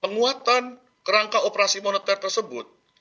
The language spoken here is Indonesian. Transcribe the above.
penguatan kerangka operasi moneter tersebut